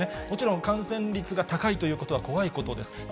もちろん感染率が高いということは怖いことです。